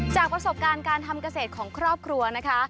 จากประสบการณ์การทำเกษตรของครอบครัวนะคะ